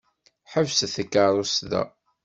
Ḥebset takeṛṛust da!